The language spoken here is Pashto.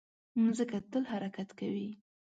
مځکه تل حرکت کوي.